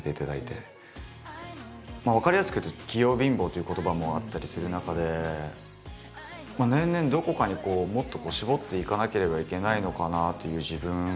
分かりやすく言うと「器用貧乏」という言葉もあったりする中で年々どこかにこうもっと絞っていかなければいけないのかなという自分。